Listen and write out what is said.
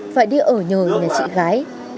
phải đi ở nhờ nhà chị gái